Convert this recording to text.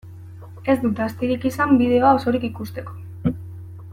Ez dut astirik izan bideoa osorik ikusteko.